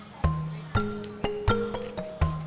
cucu rekam semua di hp